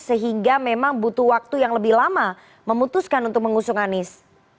sehingga memang butuh waktu yang lebih lama memutuskan untuk mengusung anies